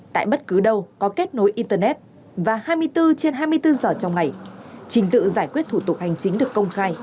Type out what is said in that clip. tại bất cứ đâu có kết nối internet và hai mươi bốn trên hai mươi bốn giờ trong ngày trình tự giải quyết thủ tục hành chính được công khai